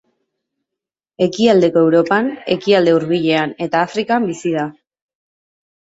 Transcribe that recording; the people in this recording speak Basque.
Ekialdeko Europan, Ekialde Hurbilean eta Afrikan bizi da.